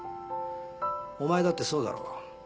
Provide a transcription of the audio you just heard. お前だってそうだろ？